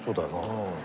うん。